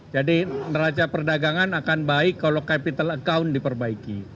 jadi neraca perdagangan akan baik kalau capital account diperbaiki